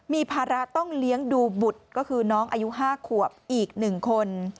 มีภาระต้องเลี้ยงดูบุตรก็คือน้องอายุ๕ขวบอีก๑คน